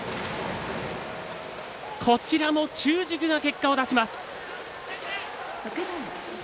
こちらも中軸が結果を出します。